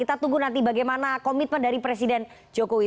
kita tunggu nanti bagaimana komitmen dari presiden jokowi